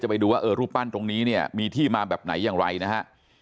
ไปดูว่าเออรูปปั้นตรงนี้เนี่ยมีที่มาแบบไหนอย่างไรนะฮะ